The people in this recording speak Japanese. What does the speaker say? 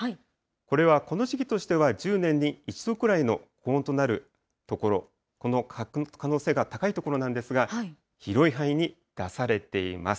これはこの時期としては１０年に一度くらいの高温となる所、この可能性が高い所なんですが、広い範囲に出されています。